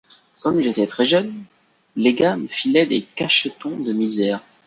Comme j’étais très jeune, les gars me filaient des cachetons de misère.